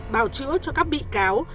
bảo chữa cho các bị cáo